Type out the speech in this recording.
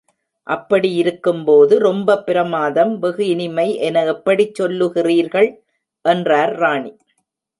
அப்படியிருக்கும்போது ரொம்பப்பிரமாதம் வெகு இனிமை என எப்படிச் சொல்லுகிறீர்கள்? என்றார் ராணி.